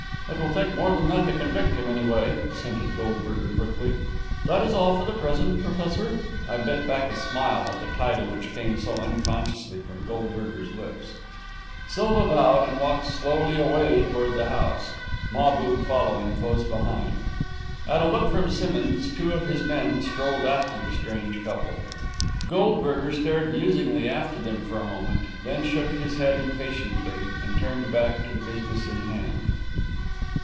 "It will take more than that to convict him, anyway," assented Goldberger, quickly. "That is all for the present, professor." I bit back a smile at the title which came so unconsciously from Goldberger's lips. Silva bowed and walked slowly away toward the house, Mahbub following close behind. At a look from Simmonds, two of his men strolled after the strange couple. Goldberger stared musingly after them for a moment, then shook his head impatiently, and turned back to the business in hand.